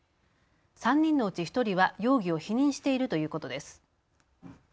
３人のうち１人は容疑を否認しているということです。